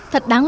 thật đáng lẽ